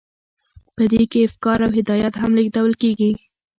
په دې کې افکار او هدایات هم لیږدول کیږي.